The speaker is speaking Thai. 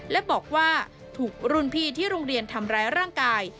และบอกว่าถูกรุ่นพี่ที่โรงเรียนทำร้ายร่างกาย